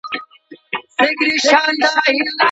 د څپو د کواړو کواړو غرونو منځ کې یو څراغ ځلیږي